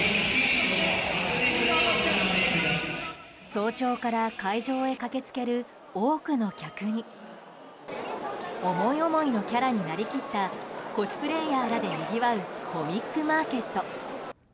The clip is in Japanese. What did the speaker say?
早朝から会場へ駆けつける多くの客に思い思いのキャラになり切ったコスプレーヤーらでにぎわうコミックマーケット。